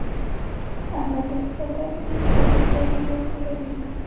احمد تل په سودا کې د خلکو سترګې ورتوروي.